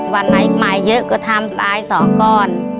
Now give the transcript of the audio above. วันอัยใหม่เยอะก็ทำอัยสองก้อน